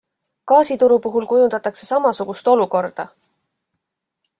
Gaasituru puhul kujundatakse samasugust olukorda.